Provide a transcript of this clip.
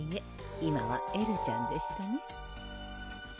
今はエルちゃんでしたね